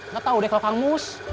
gak tau deh kalau kamu